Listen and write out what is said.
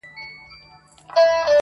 زما رباب کي د یو چا د زلفو تار دی,